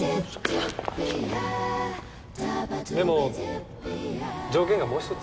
でも条件がもう１つ。